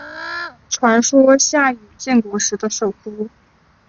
传说是夏禹建国时的首都。